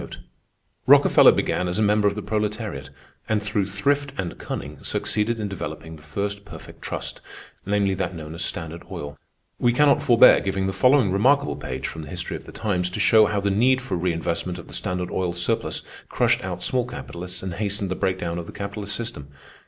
Rockefeller began as a member of the proletariat, and through thrift and cunning succeeded in developing the first perfect trust, namely that known as Standard Oil. We cannot forbear giving the following remarkable page from the history of the times, to show how the need for reinvestment of the Standard Oil surplus crushed out small capitalists and hastened the breakdown of the capitalist system.